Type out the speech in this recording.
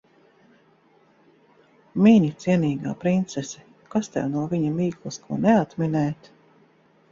Mini, cienīgā princese. Kas tev no viņa mīklas ko neatminēt.